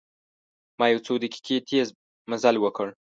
ما یو څو دقیقې تیز مزل وکړ.